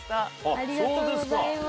ありがとうございます。